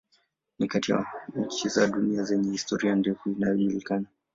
Ni kati ya nchi za dunia zenye historia ndefu inayojulikana.